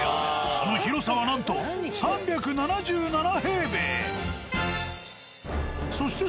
その広さはなんと３７７平米！